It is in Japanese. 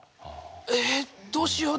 えっどうしよう？